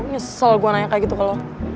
nyesel gue nanya kayak gitu ke lo